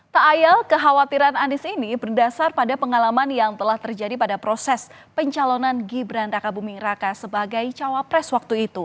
tak ayal kekhawatiran anies ini berdasar pada pengalaman yang telah terjadi pada proses pencalonan gibran raka buming raka sebagai cawapres waktu itu